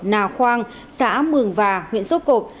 nà khoang xã mường và huyện sốt cộc